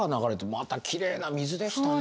またきれいな水でしたね。